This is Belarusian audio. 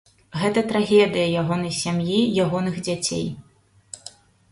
Гэта трагедыя ягонай сям'і, ягоных дзяцей.